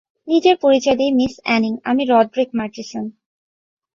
নিজের পরিচয় দেই, মিস অ্যানিং, আমি রড্রিক মার্চিসন।